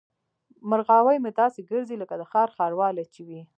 مرغاوۍ مې داسې ګرځي لکه د ښار ښارواله چې وي.